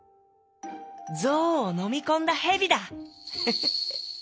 「ゾウをのみこんだヘビだ！フフフッ」。